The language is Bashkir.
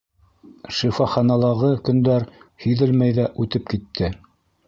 — Шифаханалағы көндәр һиҙелмәй ҙә үтеп китте.